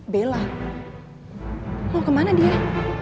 bella mau kemana dia